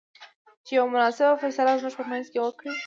چې يوه مناسبه فيصله زموږ په منځ کې وکړۍ.